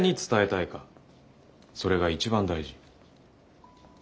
それが一番大事。